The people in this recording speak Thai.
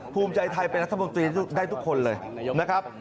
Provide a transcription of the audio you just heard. ภูมิใจไทยเป็นรัฐมนตรีได้ทุกคนเลยนะครับ